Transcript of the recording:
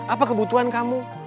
apa kebutuhan kamu